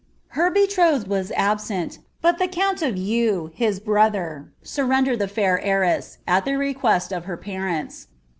Her betrotlieil yiag abtuii but ihp count of Eu, bis brother, surrendered the fair heiress, nt l)u request of tier parents.